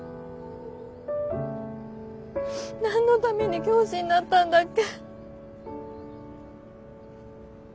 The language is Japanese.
何のために教師になったんだっけ。